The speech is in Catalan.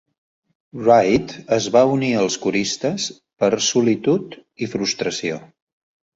Wright es va unir als coristes per solitud i frustració.